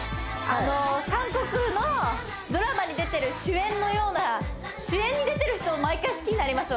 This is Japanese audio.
韓国のドラマに出てる主演のような主演に出てる人を毎回好きになります